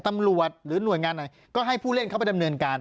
หรือหน่วยงานไหนก็ให้ผู้เล่นเข้าไปดำเนินการ